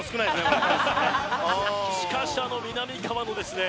これしかしあのみなみかわのですね